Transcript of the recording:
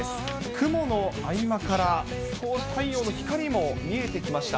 雲の合間から、少し太陽の光も見えてきました。